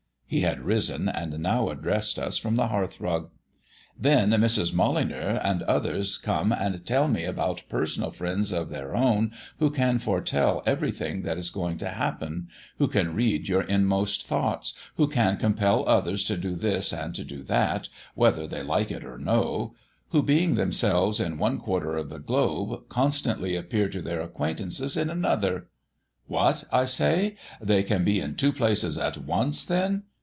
He had risen, and now addressed us from the hearthrug. "Then Mrs. Molyneux and others come and tell me about personal friends of their own who can foretell everything that is going to happen; who can read your inmost thoughts; who can compel others to do this and to do that, whether they like it or no; who, being themselves in one quarter of the globe, constantly appear to their acquaintances in another. 'What!' I say. 'They can be in two places at once, then!